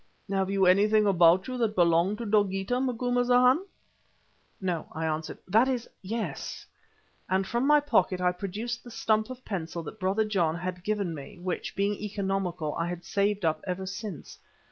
"Have you anything about you that belonged to Dogeetah, Macumazana?" "No," I answered; "that is, yes," and from my pocket I produced the stump of pencil that Brother John had given me, which, being economical, I had saved up ever since.